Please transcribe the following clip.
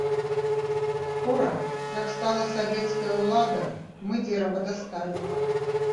Скора, як стала савецкая ўлада, мы дзерава дасталі.